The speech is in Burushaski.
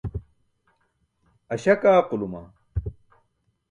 Aśak aaquluma.